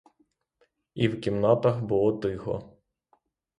І в кімнатах було тихо.